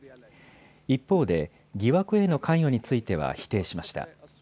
一方で疑惑への関与については否定しました。